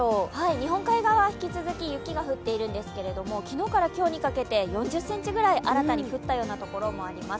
日本海側、引き続き雪が降っているんですけれども、昨日から今日にかけて４０ｃｍくらい新たに降ったところもあります。